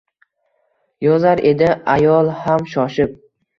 Yozar edi ayol ham shoshib